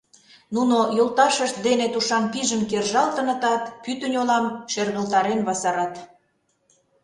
Нуно, йолашышт дене тушан пижын кержалтынытат, пӱтынь олам шергылтарен васарат.